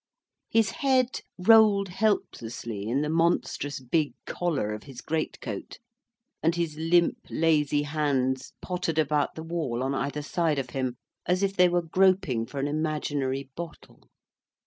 His head rolled helplessly in the monstrous big collar of his great coat; and his limp, lazy hands pottered about the wall on either side of him, as if they were groping for a imaginary bottle.